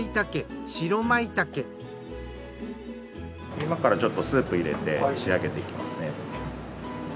今からちょっとスープ入れて仕上げていきますね。